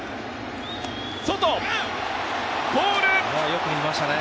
よく見ましたね。